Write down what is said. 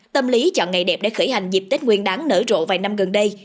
tâm lý chọn ngày đẹp để khởi hành dịp tết nguyên đáng nở rộ vài năm gần đây